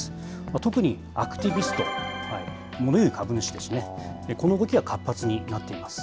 特にアクティビスト、モノ言う株主ですね、この動きが活発になっています。